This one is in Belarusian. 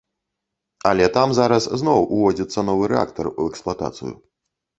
Але там зараз зноў уводзіцца новы рэактар у эксплуатацыю.